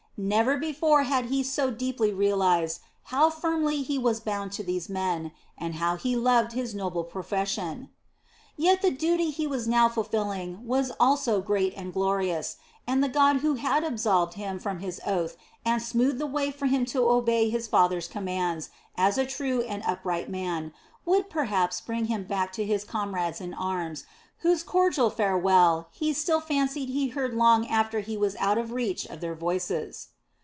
Never before had he so deeply realized how firmly he was bound to these men, and how he loved his noble profession. Yet the duty he was now fulfilling was also great and glorious, and the God who had absolved him from his oath and smoothed the way for him to obey his father's commands as a true and upright man, would perhaps bring him back to his comrades in arms, whose cordial farewell he still fancied he heard long after he was out of reach of their voices.